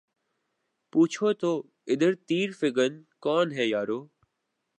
پوچھو تو ادھر تیر فگن کون ہے یارو